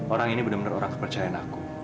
orang ini bener bener orang kepercayaan aku